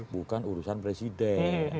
bukan urusan presiden